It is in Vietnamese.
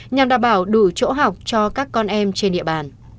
nhằm đảm bảo đủ chỗ học cho các con em trên địa bàn